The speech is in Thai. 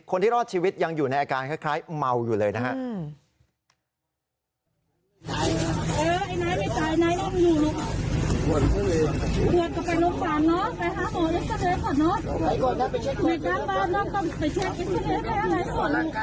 คนที่รอดชีวิตยังอยู่ในอาการคล้ายเมาอยู่เลยนะครับ